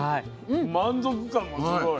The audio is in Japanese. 満足感もすごい。